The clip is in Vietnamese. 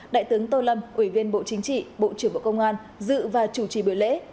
đại tướng tô lâm ủy viên bộ chính trị bộ trưởng bộ công an dự và chủ trì buổi lễ